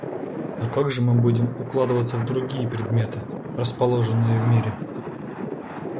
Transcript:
А как же мы будем укладываться в другие предметы, расположенные в мире?